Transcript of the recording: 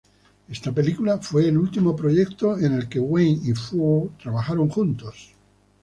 Esta película fue el último proyecto en el que Wayne y Ford trabajaron juntos.